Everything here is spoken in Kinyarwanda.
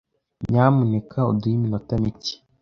Nyamuneka uduhe iminota mike.